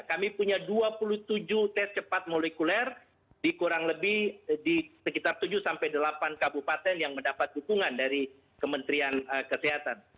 kami punya dua puluh tujuh tes cepat molekuler di kurang lebih di sekitar tujuh sampai delapan kabupaten yang mendapat dukungan dari kementerian kesehatan